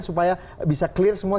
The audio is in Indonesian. supaya bisa clear semua